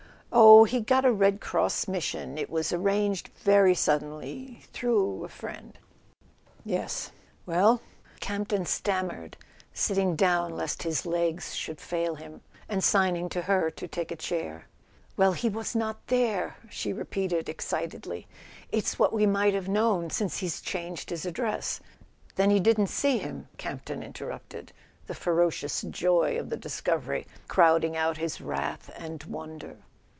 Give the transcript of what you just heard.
"Oh, he got a Red Cross mission; it was arranged very suddenly—through a friend. .." "Yes—well ?" Campton stammered, sitting down lest [ 238 ] A SON AT THE FRONT his legs should fail him, and signing to her to take a chair. " Weil—he was not there !" she repeated excitedly. "It's what we might have known—since he's changed his address." "Then he didn't see him?" Camp ton interrupted, the ferocious joy of the discovery crowding out his wrath and wonder.